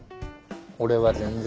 俺は全然。